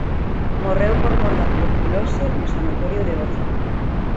Morreu por mor da tuberculose no sanatorio de Oza.